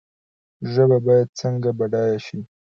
ژبه باید څنګه بډایه شي؟